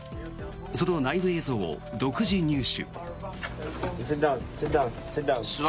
その内部映像を独自入手。